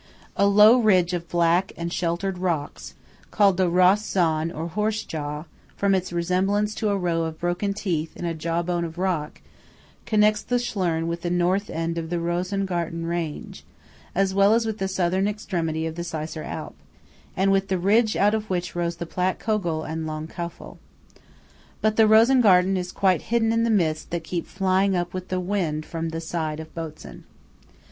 A low ridge of black and shattered rocks, called the Ross zähn or Horse jaw, from its resemblance to a row of broken teeth in a jaw bone of rock, connects the Schlern with the North end of the Rosengarten range, as well as with the Southern extremity of the Seisser Alp, and with the ridge out of which rise the Platt Kogel and Lang Kofel. But the Rosengarten is quite hidden in the mists that keep flying up with the wind from the side of Botzen.